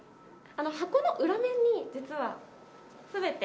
箱の裏面に実は全て。